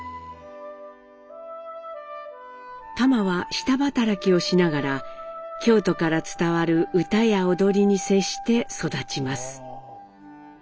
タマは下働きをしながら京都から伝わる唄や踊りに接して育ちます。